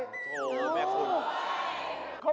โอ้โฮเมียคุณ